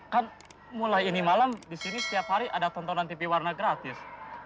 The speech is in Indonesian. kan mulai ini malam di sini setiap hari ada tontonan tv warna gratis